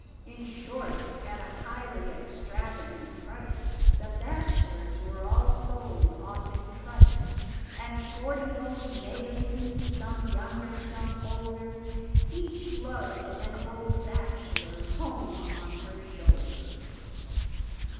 In short, at a highly extravagant price, The bachelors all were sold off in a trice: And forty old maidens, some younger, some older, Each lugged an old bachelor home on her shoulder.